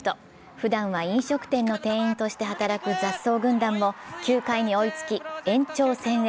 ふだんは飲食店の店員として働く雑草軍団も９回に追いつき、延長戦へ。